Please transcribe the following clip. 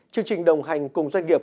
chương trình đồng hành cùng doanh nghiệp